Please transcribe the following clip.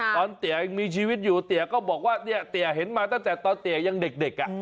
ตอนเตียยีงมีชีวิตอยู่เตียก็บอกว่าเตียเห็นมาตั้งแต่ตอนเตียยังเด็ก